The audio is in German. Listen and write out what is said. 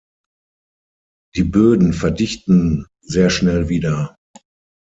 Die Böden verdichten sehr schnell wieder.